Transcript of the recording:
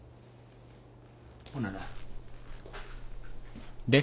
ほなな。